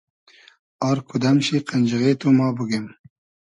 از کودئم شی قئنجیغې تو ما بوگیم